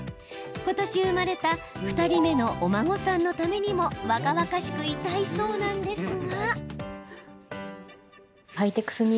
ことし生まれた２人目のお孫さんのためにも若々しくいたいそうなんですが。